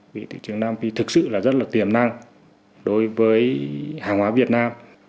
vì thị trường nam phi thực sự rất tiềm năng đối với hàng hóa việt nam